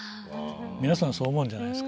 皆さんそう思うんじゃないですか？